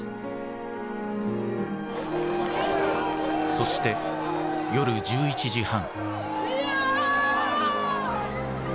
そして夜１１時半。